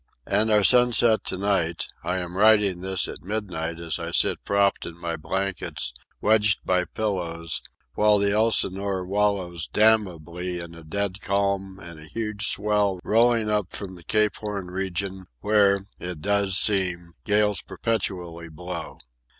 And our sunset to night—I am writing this at midnight, as I sit propped in my blankets, wedged by pillows, while the Elsinore wallows damnably in a dead calm and a huge swell rolling up from the Cape Horn region, where, it does seem, gales perpetually blow.